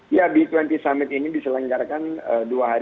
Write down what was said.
ya b dua puluh summit ini diselenggarakan dua hari